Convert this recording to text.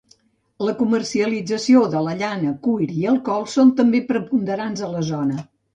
La comercialització de llana cuir i alcohol són també preponderants a la zona.